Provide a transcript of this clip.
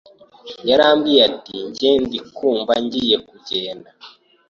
yarambwiye ati njye ndi kumva ngiye kugenda